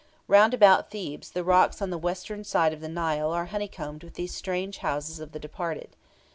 Round about Thebes, the rocks on the western side of the Nile are honeycombed with these strange houses of the departed.